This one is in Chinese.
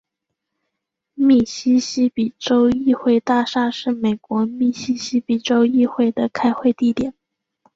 密西西比州议会大厦是美国密西西比州议会的开会地点。